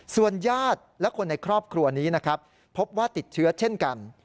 ส่วนญาติและคนในครอบครัวนี้นะครับพบว่าติดเชื้อเช่นกัน